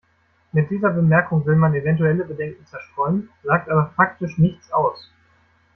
Mit dieser Bemerkung will man eventuelle Bedenken zerstreuen, sagt aber faktisch nichts aus.